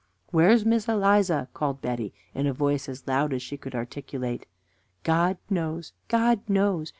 "Where's Miss Eliza?" called Betty, in a voice as loud as she could articulate. "God knows! God knows!"